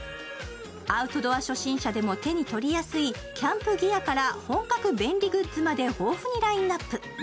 アウトドア初心者でも手に取りやすいキャンプギアから本格便利グッズまで豊富にラインナップ。